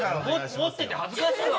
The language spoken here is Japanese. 持ってて恥ずかしいわ！